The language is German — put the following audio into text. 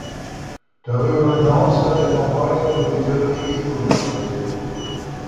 Darüber hinaus hat er noch weitere militärische Schulen absolviert.